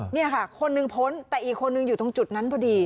นี่ค่ะคนหนึ่งพ้นแต่อีกคนนึงอยู่ตรงจุดนั้นพอดี